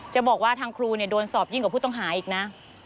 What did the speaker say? จะบอกว่าทางครูโดนสอบยิ่งกว่าผู้ต้องหาอีกนะ